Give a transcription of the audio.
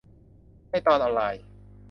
ในตอนออนไลน์